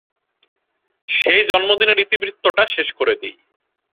সেই জন্মদিনের ইতিবৃত্তটা শেষ করে দিই।